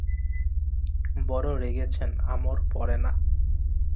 বড় রেগেছেন আমর পরে না?